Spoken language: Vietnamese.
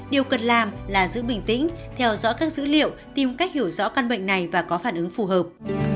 điều cần làm là giữ bình tĩnh theo dõi các dữ liệu tìm cách hiểu rõ căn bệnh này và có phản ứng phù hợp